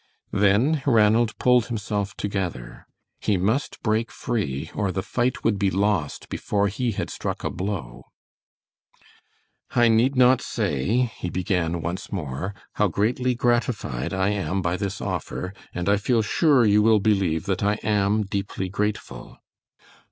Then Ranald pulled himself together. He must break free or the fight would be lost before he had struck a blow. "I need not say," he began once more, "how greatly gratified I am by this offer, and I feel sure you will believe that I am deeply grateful."